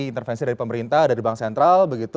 intervensi dari pemerintah dari bank sentral begitu